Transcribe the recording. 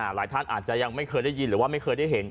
หลายท่านอาจจะยังไม่เคยได้ยินหรือว่าไม่เคยได้เห็น